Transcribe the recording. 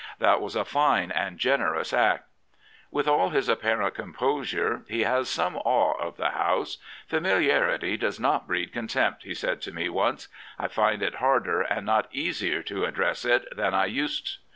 That was a fine and generous act," With all his apparent composure he has some awe of the House. " Famili arity does not breed contempt," he said to me once. " I find it harder and not easier to address it than I used.